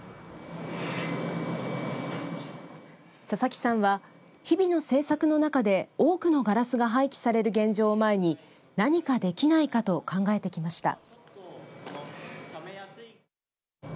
佐々木さんは日々の制作の中で多くのガラスが廃棄される現状を前に何かできないかと考えてきました。